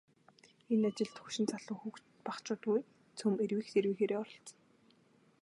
Энэ ажилд хөгшин залуу, хүүхэд багачуудгүй цөм эрвийх дэрвийхээрээ оролцоно.